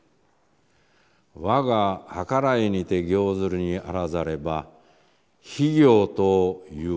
わがはからいにて行ずるにあらざれば非行という。